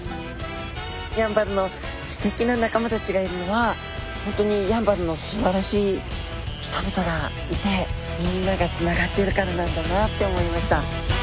やんばるのすてきな仲間たちがいるのは本当にやんばるのすばらしい人々がいてみんながつながってるからなんだなって思いました。